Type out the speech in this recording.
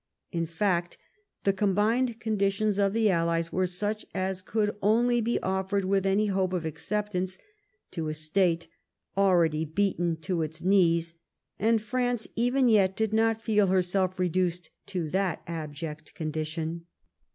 In fact, the com bined conditions of the allies were such as could only be offered with any hope of acceptance to a state al ready beaten to its knees, and France even yet did not feel herself reduced to that abject condition.